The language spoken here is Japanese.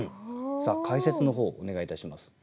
さあ解説の方お願いいたします。